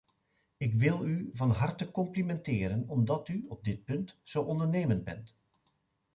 Ik wil u van harte complimenteren, omdat u op dit punt zo ondernemend bent.